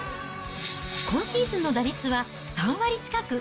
今シーズンの打率は３割近く。